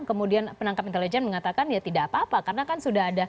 kemudian penangkap intelijen mengatakan ya tidak apa apa